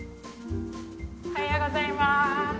おはようございます。